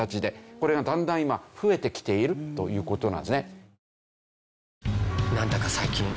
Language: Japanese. これがだんだん今増えてきているという事なんですね。